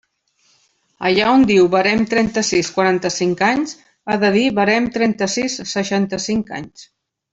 Allà on diu «Barem trenta-sis quaranta-cinc anys» ha de dir «Barem trenta-sis seixanta-cinc anys».